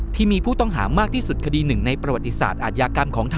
ที่มีผู้ต้องหามากที่สุดคดีหนึ่งในประวัติศาสตร์อาทยากรรมของไทย